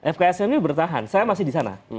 fksm ini bertahan saya masih di sana